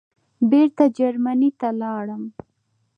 بېرته جرمني ته ولاړم.